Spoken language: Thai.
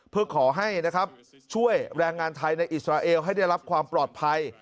เพื่อขอให้นะครับช่วยแรงงานไทยในอิสราเอลให้ได้รับความปลอดภัย